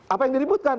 apa yang diributkan